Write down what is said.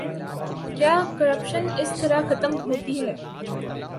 کیا کرپشن اس طرح ختم ہوتی ہے؟